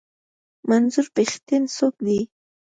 منظور پښتين څوک دی؟